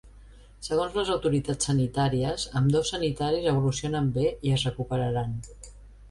Segons les autoritats sanitàries, ambdós sanitaris evolucionen bé i es recuperaran.